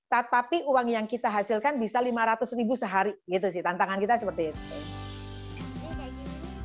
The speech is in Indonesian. tetapi uang yang kita hasilkan bisa lima ratus ribu sehari gitu sih tantangan kita seperti itu